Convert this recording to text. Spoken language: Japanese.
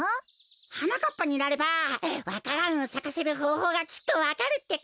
はなかっぱになればわか蘭をさかせるほうほうがきっとわかるってか。